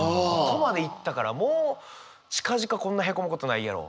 ここまで行ったからもう近々こんなへこむことないやろ。